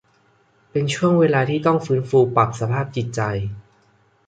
เป็นช่วงเวลาที่ต้องฟื้นฟูปรับสภาพจิตใจ